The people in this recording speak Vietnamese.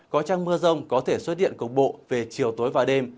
các mưa rông có thể xuất điện cục bộ về chiều tối và đêm